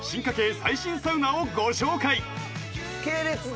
最新サウナをご紹介！